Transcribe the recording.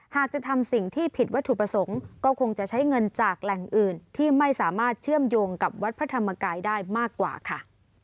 หากจะทำสิ่งที่ผิดวัตถุประสงค์ก็คงจะใช้เงินจากแหล่งอื่นที่ไม่สามารถเชื่อมโยงกับวัดพระธรรมกายได้มากกว่าค่ะ